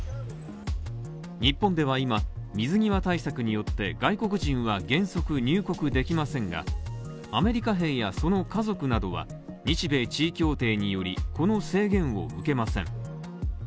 日本では今、水際対策によって外国人は原則入国できませんがアメリカ兵やその家族などは、日米地位協定により、この制限を受けません。